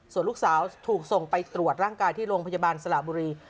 ส่วนลูกสาวถูกส่งไปตรวจร่างกายที่โรงพยาบาลสระบุรี